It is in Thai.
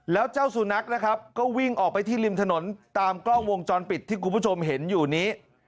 แล้วเจ้าสุนัขนะครับก็วิ่งออกไปที่ริมถนนตามกล้องวงจรปิดที่คุณผู้ชมเห็นอยู่นี้